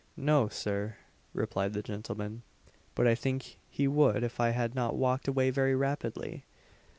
"No, Sir," replied the gentleman, "but I think he would if I had not walked away very rapidly."